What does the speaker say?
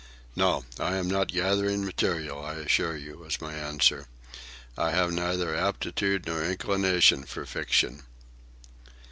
"No, I am not gathering material, I assure you," was my answer. "I have neither aptitude nor inclination for fiction."